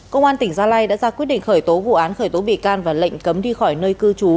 công an tỉnh gia lai đã ra quyết định khởi tố vụ án khởi tố bị can và lệnh cấm đi khỏi nơi cư trú